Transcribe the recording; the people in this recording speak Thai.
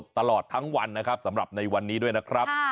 ตลอดทั้งวันนะครับสำหรับในวันนี้ด้วยนะครับ